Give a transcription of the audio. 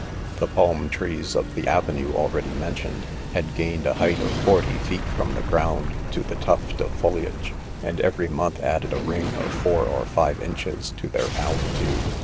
The palm trees of the avenue already mentioned, had gained a height of forty feet from the ground to the tuft of foliage, and every month added a ring of four or five inehes to their altitude.